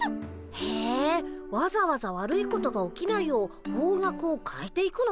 へえわざわざ悪いことが起きないよう方角を変えて行くの？